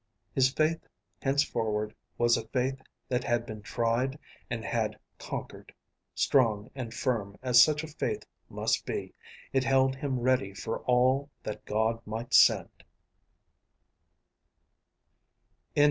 His faith henceforward was a faith that had been tried and had conquered; strong and firm as such a faith must be, it held him ready for all that God might send.